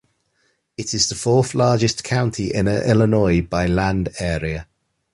It is the fourth-largest county in Illinois by land area.